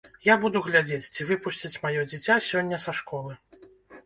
Я буду глядзець, ці выпусцяць маё дзіця сёння са школы.